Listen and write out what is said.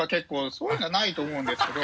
そういうのはないと思うんですけど。